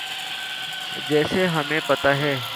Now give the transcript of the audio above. جیسے ہمیں پتہ ہے۔